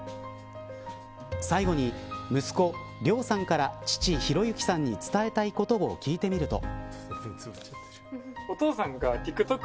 最後に息子、綾さんから父、宏幸さんに伝えたいことを聞いてみると。